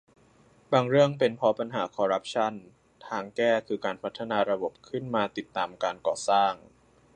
บางเรื่องเป็นเพราะปัญหาคอร์รัปชั่น ทางแก้คือการพัฒนาระบบขึ้นมาติดตามการก่อสร้าง